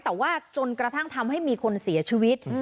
แต่ว่าจนกระทั่งทำให้มีคนเสียชีวิต